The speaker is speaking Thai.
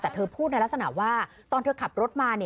แต่เธอพูดในลักษณะว่าตอนเธอขับรถมา